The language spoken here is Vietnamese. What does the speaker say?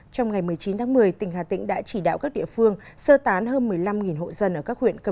trong ngày một mươi chín tháng một mươi tỉnh hà tĩnh đã chỉ đạo các địa phương sơ tán hơn một mươi năm hộ dân ở các huyện cẩm mỹ